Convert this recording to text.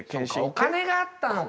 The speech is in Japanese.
お金があったのか！